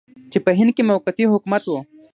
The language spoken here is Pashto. چې په هند کې موقتي حکومت و.